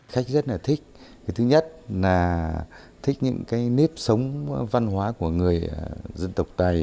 khách rất là thích thứ nhất là thích những nếp sống văn hóa của người dân tộc tày